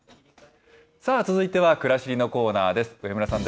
さあ続いてはくらしりのコーナーです。